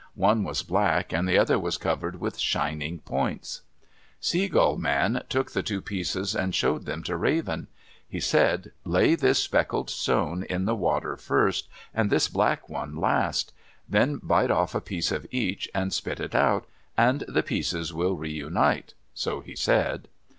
One was black and the other was covered with shining points. Sea Gull Man took the two pieces and showed them to Raven. He said, "Lay this speckled stone in the water first, and this black one last. Then bite off a piece of each, and spit it out and the pieces will reunite;" so he said.